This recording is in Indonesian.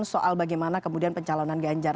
soal bagaimana kemudian pencalonan ganjar